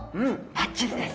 バッチリです。